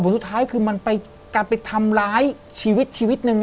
สุดท้ายคือมันการไปทำร้ายชีวิตนึง